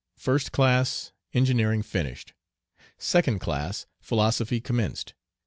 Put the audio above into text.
First class, engineering finished. Second class, philosophy commenced.